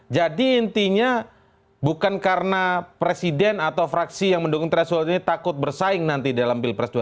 jadi intinya bukan karena presiden atau fraksi yang mendukung tersebut ini takut bersaing nanti dalam pilpres dua ribu sembilan belas